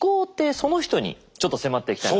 その人にちょっと迫っていきたいなと。